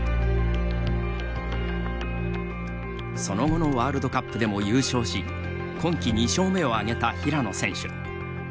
その後のワールドカップでも優勝し今季２勝目を挙げた平野選手。